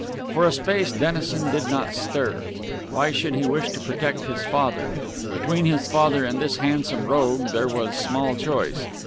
For a space Dennison did not stir. Why should he wish to protect his father? Between his father and this handsome rogue there was small choice.